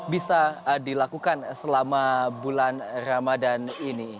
bisa dilakukan selama bulan ramadan ini